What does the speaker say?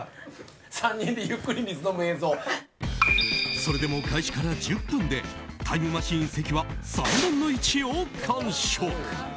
それでも開始から１０分でタイムマシーン関は３分の１を完食。